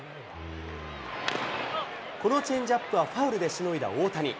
このチェンジアップはファウルでしのいだ大谷。